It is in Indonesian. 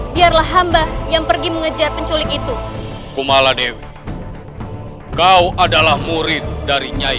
biarlah hamba yang pergi mengejar penculik itu kumalade kau adalah murid dari nyai